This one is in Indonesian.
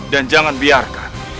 dan jangan biarkan